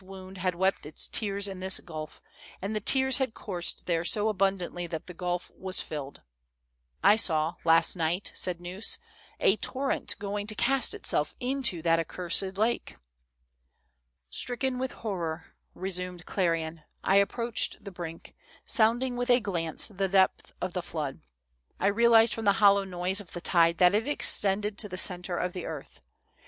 289 wound had wept its tears in this gulf, and the tears had coursed there so abundantly that the gulf was filled." saw, last night," said Gneuss, "a torrent going to cast itself into that accursed lake." " Stricken with horror," resumed Clerian, " I approached the brink, sounding with a glance the depth of the flood. I realized from the hollow noise of the tide that it extended to the centre of the earth.